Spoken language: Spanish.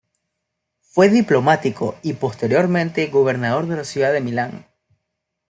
Fue diplomático y posteriormente gobernador de la ciudad de Milán.